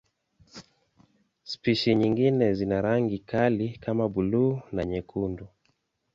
Spishi nyingine zina rangi kali kama buluu na nyekundu.